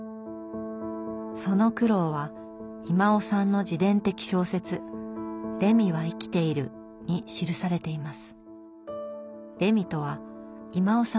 その苦労は威馬雄さんの自伝的小説「レミは生きている」に記されています。